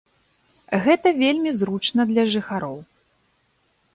Гэта вельмі зручна для жыхароў.